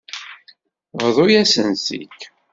Bḍu-yasen-tt-id.